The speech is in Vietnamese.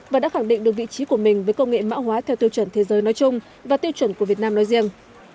và đã khẳng định được vị trí của mình với công nghệ mã hóa theo tiêu chuẩn thế giới nói chung và tiêu chuẩn của việt nam nói riêng